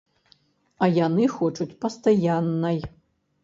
А яны хочуць пастаяннай.